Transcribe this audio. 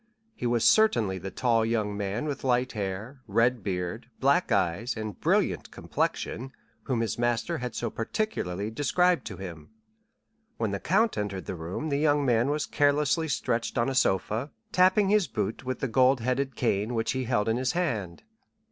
He was certainly the tall young man with light hair, red beard, black eyes, and brilliant complexion, whom his master had so particularly described to him. When the count entered the room the young man was carelessly stretched on a sofa, tapping his boot with the gold headed cane which he held in his hand.